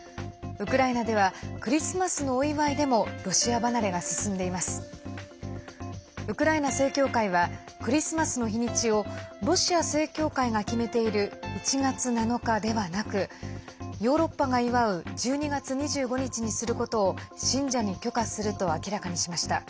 ウクライナ正教会はクリスマスの日にちをロシア正教会が決めている１月７日ではなくヨーロッパが祝う１２月２５日にすることを信者に許可すると明らかにしました。